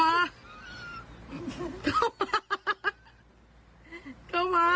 เอาเก่าหน้า